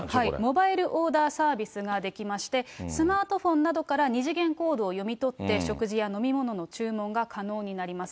モバイルオーダーサービスができまして、スマートフォンなどから二次元コードを読み取って、食事や飲み物の注文が可能になります。